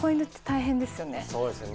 そうですよね。